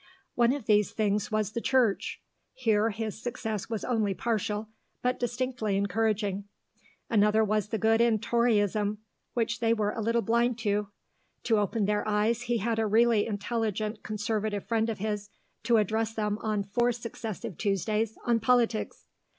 One of these things was the Church; here his success was only partial, but distinctly encouraging. Another was the good in Toryism, which they were a little blind to. To open their eyes, he had a really intelligent Conservative friend of his to address them on four successive Tuesdays on politics.